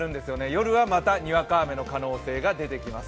夜はまたにわか雨の可能性が出てきます。